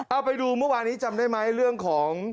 เอาไปดูเมื่อวานี้จำได้ไหมเรื่องของ